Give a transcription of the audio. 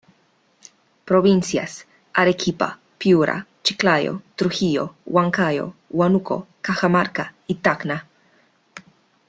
Provincias; Arequipa, Piura, Chiclayo, Trujillo, Huancayo, Huanuco, Cajamarca y Tacna.